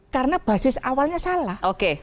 karena basis awalnya salah